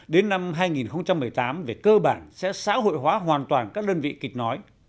đến năm hai nghìn một mươi tám về cơ bản sẽ xã hội hóa hoàn toàn các đơn vị kịch nói